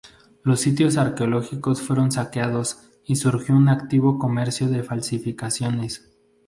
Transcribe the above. Los sitios arqueológicos fueron saqueados y surgió un activo comercio de falsificaciones.